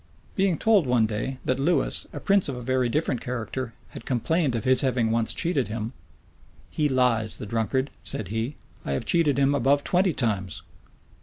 Being told one day, that Lewis, a prince of a very different character, had complained of his having once cheated him: "He lies, the drunkard!" said he; "I have cheated him above twenty times."